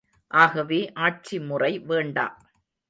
ஆகவே ஆட்சிமுறை வேண்டா.